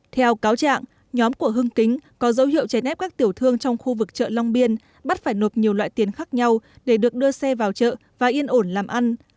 theo cáo trạng nhóm của hưng kính có dấu hiệu cháy ép các tiểu thương trong khu vực chợ long biên bắt phải nộp nhiều loại tiền khác nhau để được đưa xe vào chợ và yên ổn làm ăn